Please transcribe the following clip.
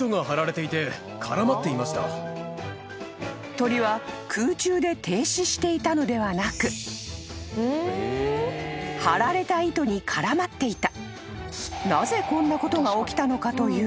［鳥は空中で停止していたのではなく張られた糸に絡まっていた］